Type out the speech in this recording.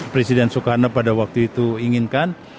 presiden soekarno pada waktu itu inginkan